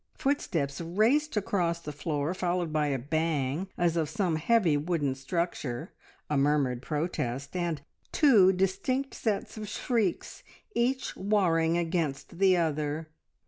Footsteps raced across the floor, followed by a bang as of some heavy wooden structure, a murmured protest, and two distinct sets of shrieks, each warring against the other.